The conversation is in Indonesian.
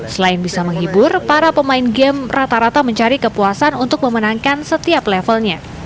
selain bisa menghibur para pemain game rata rata mencari kepuasan untuk memenangkan setiap levelnya